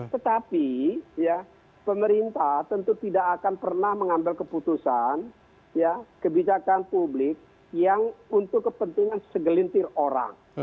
tetapi pemerintah tentu tidak akan pernah mengambil keputusan kebijakan publik yang untuk kepentingan segelintir orang